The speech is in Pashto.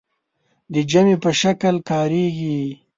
د جمع په شکل کاریږي.